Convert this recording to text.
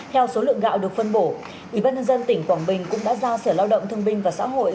theo số lượng gạo được phân bổ ủy ban nhân dân tỉnh quảng bình cũng đã giao sở lao động thương binh và xã hội